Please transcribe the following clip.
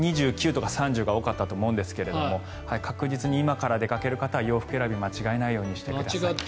２９とか３０が多かったと思うんですが確実に、今から出かける方は洋服選びを間違えないようにしてください。